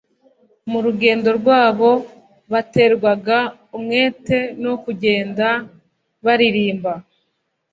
Mu rugendo rwabo, baterwaga umwete no kugenda baririmba,